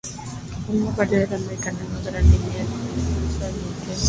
Forma parte de los mecanismos de limpieza intestinal.